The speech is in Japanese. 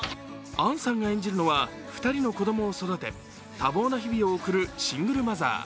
杏さんが演じるのは２人の子供を育て多忙な日々を送るシングルマザー。